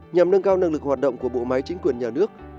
nhằm nâng cao năng lực hoạt động của bộ máy chính quyền nhà nước